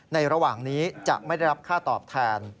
ระหว่างนี้จะไม่ได้รับค่าตอบแทน